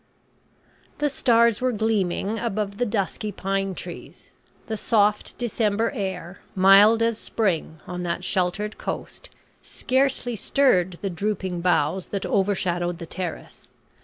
The stars were gleaming above the dusky pine trees. The soft December air, mild as spring on that sheltered coast, scarcely stirred the drooping boughs that overshadowed the terrace.